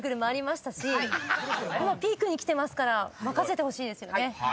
今ピークにきてますから任せてほしいですよね。